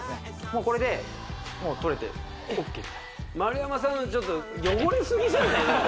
もうこれで取れてＯＫと丸山さんのちょっと汚れすぎじゃないの？